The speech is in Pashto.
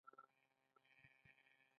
د تیمورشاه لیکونو هغوی ته اندېښنه پیدا کوله.